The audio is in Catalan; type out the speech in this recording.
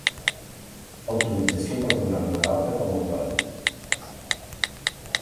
Autorització per donar-me d'alta com a autònom.